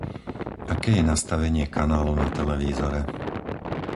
Aké je nastavenie kanálu na televízore?